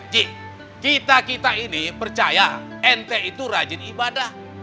ji kita kita ini percaya ente itu rajin ibadah